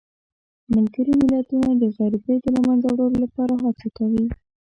ملګري ملتونه د غریبۍ د له منځه وړلو لپاره هڅه کوي.